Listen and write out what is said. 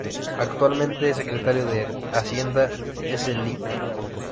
Actualmente el Secretario de Hacienda es el Lic.